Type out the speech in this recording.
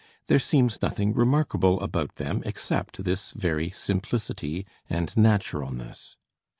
There seems nothing remarkable about them except this very simplicity and naturalness.